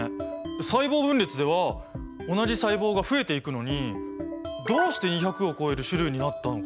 細胞分裂では同じ細胞が増えていくのにどうして２００を超える種類になったのか？